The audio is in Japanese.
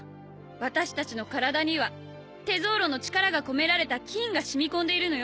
私たちの体にはテゾーロの力が込められた金が染み込んでいるのよ。